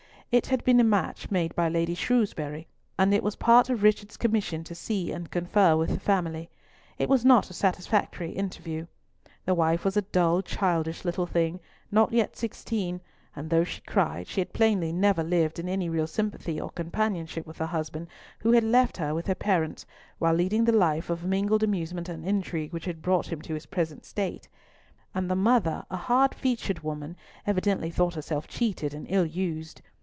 It had been a match made by Lady Shrewsbury, and it was part of Richard's commission to see and confer with the family. It was not a satisfactory interview. The wife was a dull childish little thing, not yet sixteen; and though she cried, she had plainly never lived in any real sympathy or companionship with her husband, who had left her with her parents, while leading the life of mingled amusement and intrigue which had brought him to his present state; and the mother, a hard featured woman, evidently thought herself cheated and ill used.